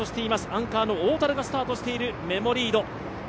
アンカーの大樽がスタートしているメモリード。